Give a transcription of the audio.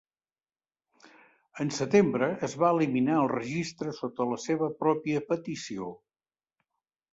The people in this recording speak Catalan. En setembre, es va eliminar el registre sota la seva pròpia petició.